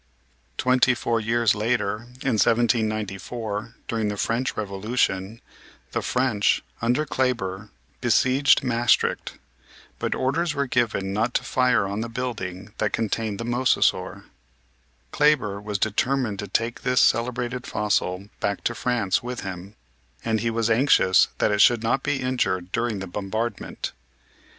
Twenty four years later, in 1794, during the DESPOTS OF THE SEAS 73 i French Revolution, the French, under Kleber, be sieged Maestricht. But orders were given not to fire on the building that contained the Mosasaur. Kleber was determined to take this celebrated fossil back to France with him, and he was anxious that it should not be injured during the bombard ment.